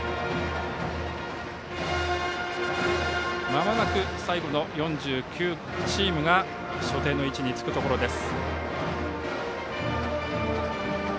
まもなく最後の４９チームが所定の位置につくところです。